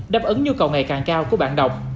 đáp ứng nhu cầu ngày càng cao của bạn đọc